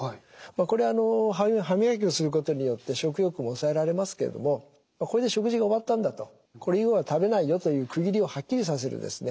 これは歯磨きをすることによって食欲も抑えられますけれどもこれで食事が終わったんだとこれ以後は食べないよという区切りをはっきりさせるんですね。